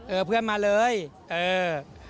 เพื่อนมาเลยเออ